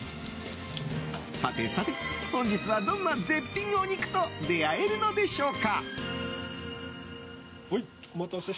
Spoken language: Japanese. さてさて、本日はどんな絶品お肉と出会えるのでしょうか。